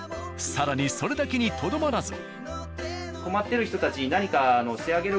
更にそれだけにとどまらず。